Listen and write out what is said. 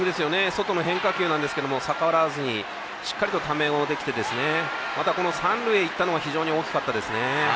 外の変化球なんですけど逆らわずにしっかりと、ためをできてまた三塁へ行ったのが大きかったですね。